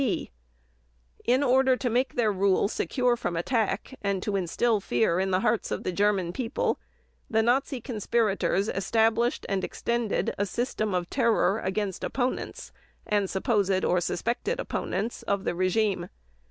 (b) In order to make their rule secure from attack and to instil fear in the hearts of the German people, the Nazi conspirators established and extended a system of terror against opponents and supposed or suspected opponents of the regime.